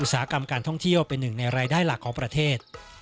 สาหกรรมการท่องเที่ยวเป็นหนึ่งในรายได้หลักของประเทศ